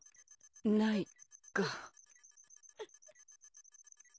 ないか。